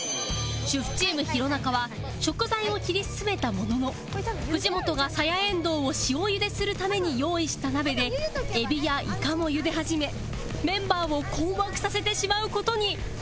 主婦チーム弘中は食材を切り進めたものの藤本がサヤエンドウを塩茹でするために用意した鍋でエビやイカも茹で始めメンバーを困惑させてしまう事に！